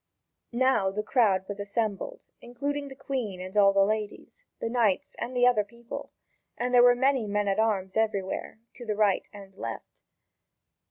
(Vv. 5595 5640.) Now the crowd was assembled, including the Queen and all the ladies, the knights and the other people, and there were many men at arms everywhere, to the right and left.